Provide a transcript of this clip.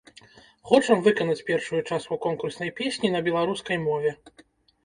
Хочам выканаць першую частку конкурснай песні на беларускай мове.